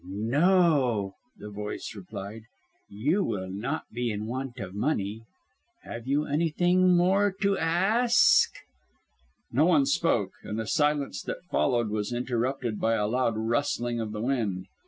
"No!" the voice replied, "you will not be in want of money. Have you anything more to ask?" No one spoke, and the silence that followed was interrupted by a loud rustling of the wind.